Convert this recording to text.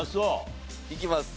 いきます。